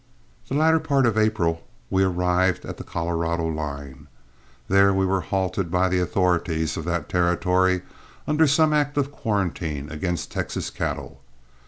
The latter part of April we arrived at the Colorado line. There we were halted by the authorities of that territory, under some act of quarantine against Texas cattle.